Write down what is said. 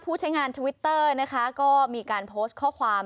ใช้งานทวิตเตอร์นะคะก็มีการโพสต์ข้อความ